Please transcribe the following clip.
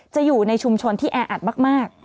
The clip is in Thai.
อยู่ในชุมชนที่แออัดมาก